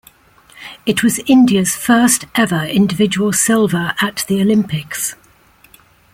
It was India's first ever individual silver at the Olympics.